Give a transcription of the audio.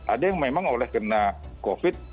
ada yang memang oleh kena covid